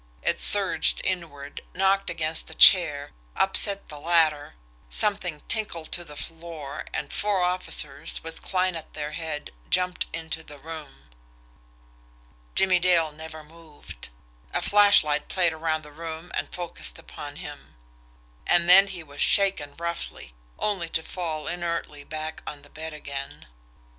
It surged inward, knocked against the chair, upset the latter, something tinkled to the floor and four officers, with Kline at their head, jumped into the room. Jimmie Dale never moved. A flashlight played around the room and focused upon him and then he was shaken roughly only to fall inertly back on the bed again.